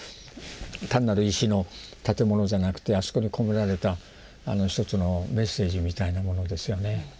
単なる石の建物じゃなくてあそこに込められた一つのメッセージみたいなものですよね。